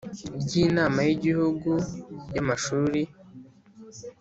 ry Inama y Igihugu y Amashuri